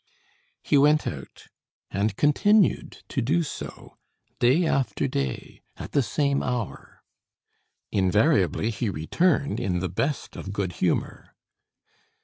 He went out, and continued to do so, day after day, at the same hour. Invariably he returned in the best of good humor.